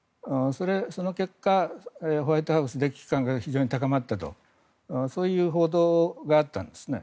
その結果、ホワイトハウスで危機感が非常に高まったとそういう報道があったんですね。